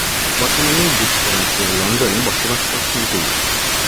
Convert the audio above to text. বর্তমানে যুক্তরাজ্যের লন্ডনে বসবাস করছেন তিনি।